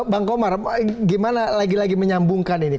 bang komar gimana lagi lagi menyambungkan ini